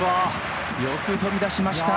よく飛び出しました。